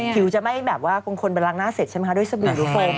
ผิวจะไม่แบบว่าคนบันลังหน้าเสร็จใช่ไหมคะด้วยสบู่ทุกคน